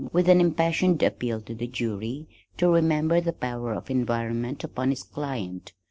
with an impassioned appeal to the jury to remember the power of environment upon his client.